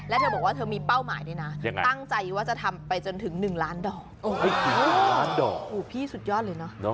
และเธอบอกว่าเธอมีเป้าหมายนะตั้งใจว่าจะทำไปจนถึง๑ล้านเบาพี่สุดยอดเลยเนาะ